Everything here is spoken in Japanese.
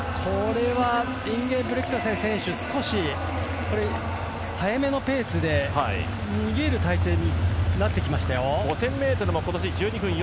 インゲブリクトセン選手少し速めのペースで逃げる体制になってきましたよ。